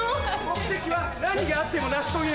目的は何があっても成し遂げる。